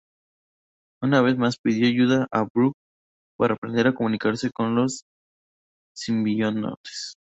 Una vez más, pidió ayuda a Brock para aprender a comunicarse con los simbiontes.